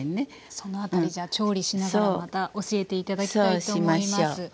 その辺りじゃあ調理しながらまた教えて頂きたいと思います。